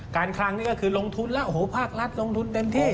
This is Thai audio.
คลังนี่ก็คือลงทุนแล้วโอ้โหภาครัฐลงทุนเต็มที่